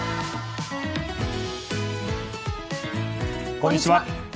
こんにちは。